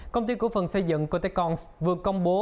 công ty cổ phần xây dựng cotecons vừa công bố